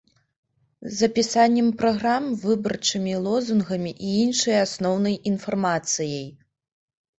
З апісаннем праграм, выбарчымі лозунгамі і іншай асноўнай інфармацыяй.